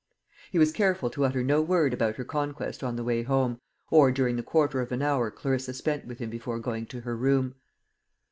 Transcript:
He was careful to utter no word about her conquest on the way home, or during the quarter of an hour Clarissa spent with him before going to her room.